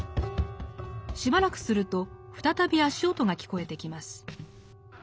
しばらくすると再び足音が聞こえてきます。